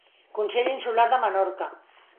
Consell Insular de Menorca.